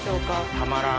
たまらん。